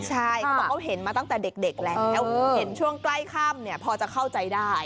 ใช่เขาเห็นมาตั้งแต่เด็กแหละเห็นช่วงใกล้ข้ามพอจะเข้าใจได้